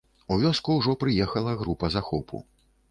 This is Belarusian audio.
У вёску ўжо прыехала група захопу.